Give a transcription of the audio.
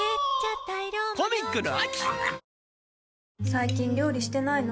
最近料理してないの？